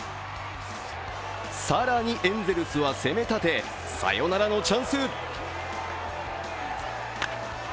更に、エンゼルスは攻めたてサヨナラのチャンス。